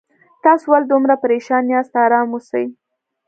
تاسو ولې دومره پریشان یاست آرام اوسئ